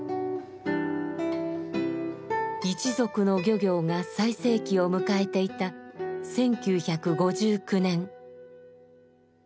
一族の漁業が最盛期を迎えていた１９５９年。